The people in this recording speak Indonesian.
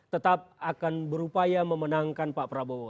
tetap akan berupaya memenangkan pak prabowo